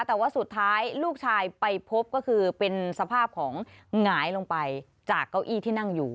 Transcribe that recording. แต่ว่าสุดท้ายลูกชายไปพบก็คือเป็นสภาพของหงายลงไปจากเก้าอี้ที่นั่งอยู่